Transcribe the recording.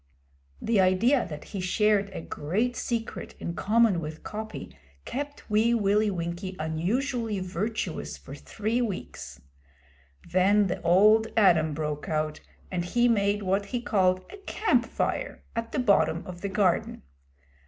The idea that he shared a great secret in common with Coppy kept Wee Willie Winkie unusually virtuous for three weeks. Then the Old Adam broke out, and he made what he called a 'camp fire' at the bottom of the garden.